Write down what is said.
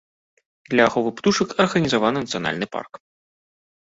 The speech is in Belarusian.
Для аховы птушак арганізаваны нацыянальны парк.